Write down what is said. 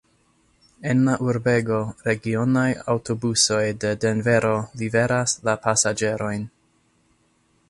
En la urbego regionaj aŭtobusoj de Denvero liveras la pasaĝerojn.